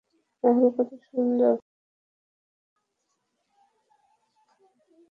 রাহুল কতো সুন্দর!